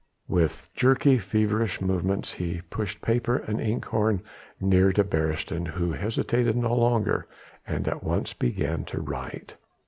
With jerky, feverish movements he pushed paper and inkhorn nearer to Beresteyn, who hesitated no longer and at once began to write.